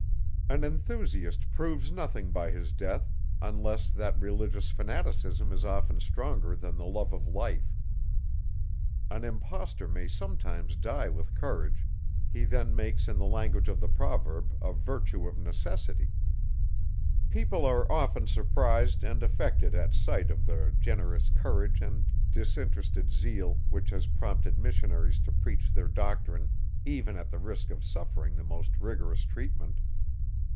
An enthusiast proves nothing by his death, unless that religious fanaticism is often stronger than the love of life. An impostor may sometimes die with courage; he then makes, in the language of the proverb, a virtue of necessity. People are often surprised and affected at sight of the generous courage and disinterested zeal, which has prompted missionaries to preach their doctrine, even at the risk of suffering the most rigorous treatment.